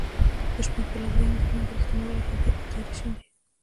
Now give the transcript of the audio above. د شپون پر لفظي انځورونو د رښتینولۍ هېندارې شيندي.